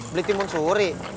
beli timun suri